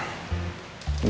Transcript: gue gak mau